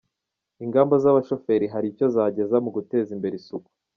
Ingamba z’abashoferi hari icyo zagezeho mu guteza imbere isuku